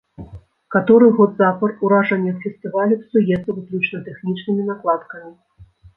Каторы год запар уражанне ад фестывалю псуецца выключна тэхнічнымі накладкамі.